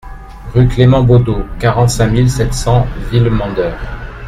Rue Clément Baudeau, quarante-cinq mille sept cents Villemandeur